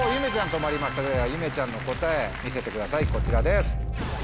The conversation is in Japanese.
止まりましたではゆめちゃんの答え見せてくださいこちらです。